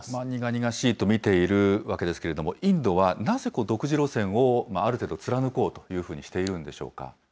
苦々しいと見ているわけですけれども、インドはなぜ独自路線をある程度貫こうとしているんでしょうか。